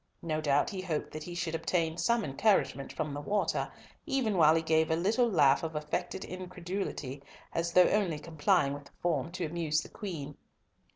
No doubt he hoped that he should obtain some encouragement from the water, even while he gave a little laugh of affected incredulity as though only complying with a form to amuse the Queen.